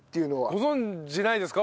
ご存じないですか？